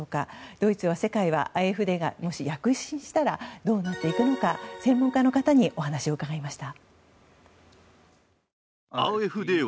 ドイツはＡｆＤがもし躍進したらどうなっていくのか専門家にお話を伺いました。